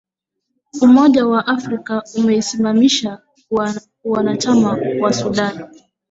umoja wa Afrika umeisimamisha uanachama wa Sudan